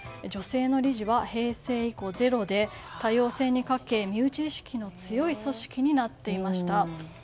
女性の理事は平成以降ゼロで多様性に欠け身内意識の強い組織になっていました。